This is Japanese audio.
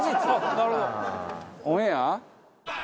オンエア？